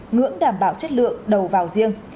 ngưỡng đảm bảo chất lượng đầu vào riêng